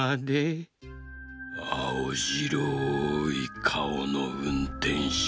あおじろいかおのうんてんしゅ